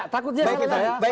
takutnya salah lagi